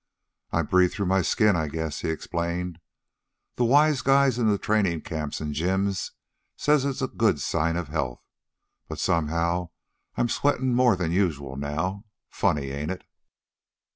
"I breathe through my skin, I guess," he explained. "The wise guys in the trainin' camps and gyms say it's a good sign for health. But somehow I'm sweatin' more than usual now. Funny, ain't it?"